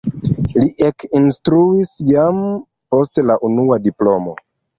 Li ekinstruis jam post la unua diplomo.